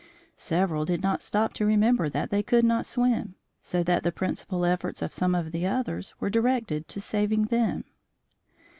Several did not stop to remember that they could not swim, so that the principal efforts of some of the others were directed to saving them.